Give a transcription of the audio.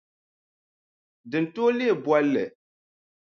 Di ni tooi leei bolli.